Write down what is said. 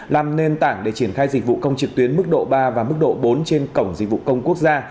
làm nền tảng để triển khai dịch vụ công trực tuyến mức độ ba và mức độ bốn trên cổng dịch vụ công quốc gia